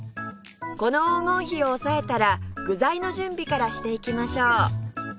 この黄金比を押さえたら具材の準備からしていきましょう